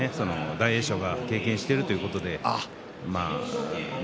大栄翔が経験しているということで翠